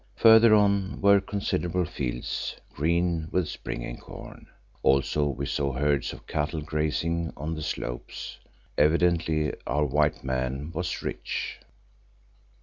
Further on were considerable fields green with springing corn; also we saw herds of cattle grazing on the slopes. Evidently our white man was rich.